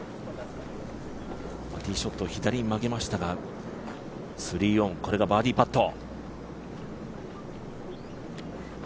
ティーショットを左に曲げましたが３オンこれがバーディーパット。